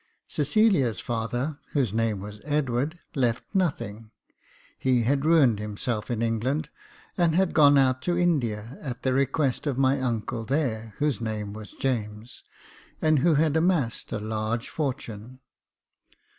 Cecilia's father, whose name was Edward, left nothing ; he had ruined himself in England, and had gone out to India at the request of my uncle there, whose name was James, and who had amassed a large fortune.